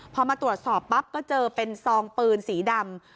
พอมาตรวจสอบปั๊บก็เจอเป็นซองปืนสีดำ